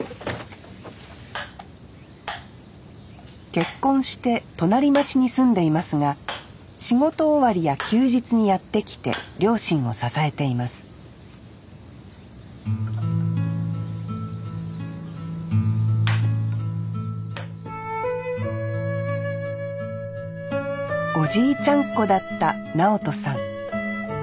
結婚して隣町に住んでいますが仕事終わりや休日にやって来て両親を支えていますおじいちゃんっ子だった直豊さん。